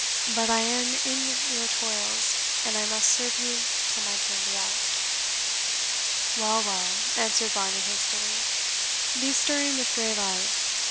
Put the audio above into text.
But I am in your toils, and I must serve you till my term be out." "Well, well," answered Varney hastily, "be stirring with grey light.